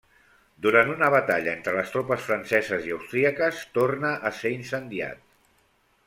Durant una batalla entre les tropes franceses i austríaques torna a ser incendiat.